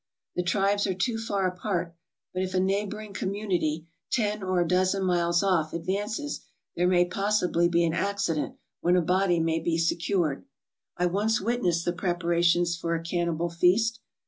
The tribes are too far apart; but if a neighboring community, ten or a dozen miles off, ad vances, there may possibly be an accident, when a body may be secured. I once witnessed the preparations for a cannibal feast.